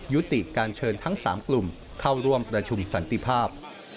ยุติการเชิญทั้ง๓กลุ่มเข้าร่วมประชุมสันติภาพ